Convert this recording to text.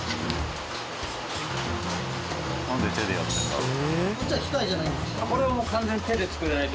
なんで手でやってるんだろう？